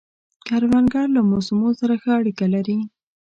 کروندګر له موسمو سره ښه اړیکه لري